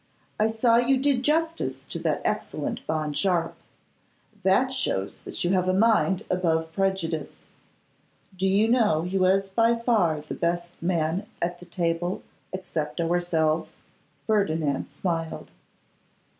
I saw you did justice to that excellent Bond Sharpe. That shows that you have a mind above prejudice. Do you know he was by far the best man at the table except ourselves?' Ferdinand smiled.